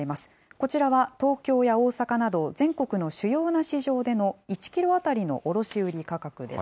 こちらは、東京や大阪など全国の主要な市場での１キロ当たりの卸売価格です。